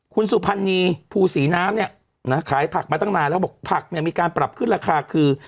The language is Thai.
คุณสุพรรณีภูศรีน้ำเนี่ยนะขายผักมาตั้งนานแล้วบอกผักเนี่ยมีการปรับขึ้นราคาคือ